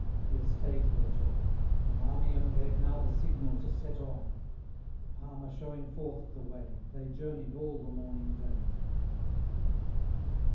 Here stay'd their talk, for Marmion Gave now the signal to set on. 65 The Palmer showing forth the way, They journey'd all the morning day.